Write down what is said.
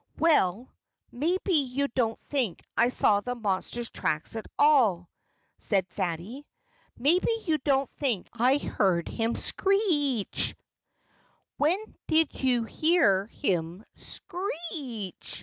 "Well maybe you don't think I saw the monster's tracks at all," said Fatty. "Maybe you don't think I heard him screech " "When did you hear him screech?"